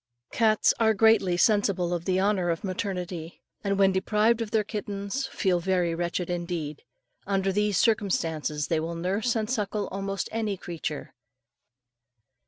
Cats are greatly sensible of the honour of maternity, and when deprived of their kittens feel very wretched indeed. Under these circumstances, they will nurse and suckle almost any creature.